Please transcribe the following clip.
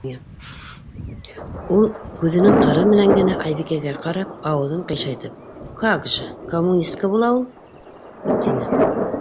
Ул, күҙенең ҡыры менән генә Айбикәгә ҡарап, ауыҙын ҡыйшайтып: - Какжы, коммунистка була ул! - тине.